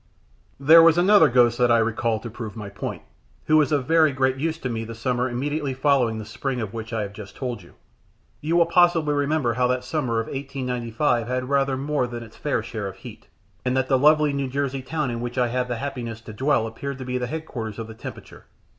There was another ghost that I recall to prove my point, who was of very great use to me in the summer immediately following the spring of which I have just told you. You will possibly remember how that the summer of 1895 had rather more than its fair share of heat, and that the lovely New Jersey town in which I have the happiness to dwell appeared to be the headquarters of the temperature.